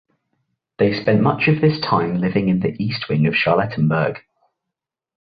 They spent much of this time living in the east wing of Charlottenburg.